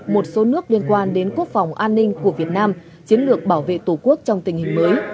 một số nước liên quan đến quốc phòng an ninh của việt nam chiến lược bảo vệ tổ quốc trong tình hình mới